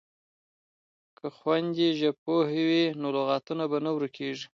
که خویندې ژبپوهې وي نو لغاتونه به نه ورکیږي.